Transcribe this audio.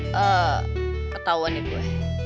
gak ada apa